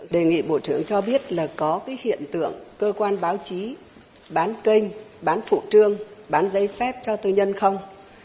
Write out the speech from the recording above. đề nghị bộ trưởng cho biết là có cái hiện tượng cơ quan báo chí bán kênh bán phụ trương bán giấy phép cho tư nhân không